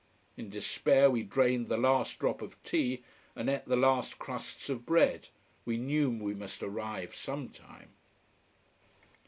In despair we drained the last drop of tea and ate the last crusts of bread. We knew we must arrive some time.